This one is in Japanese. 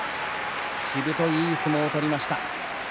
しぶとい相撲を取りました。